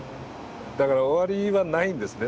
だから終わりはないんですね。